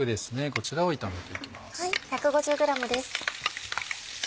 こちらを炒めていきます。